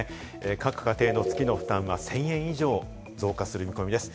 各家庭の月の負担は１０００円以上、増加する見込みです。